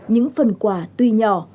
những phần quả tuy nhỏ